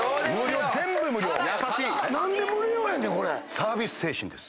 サービス精神です。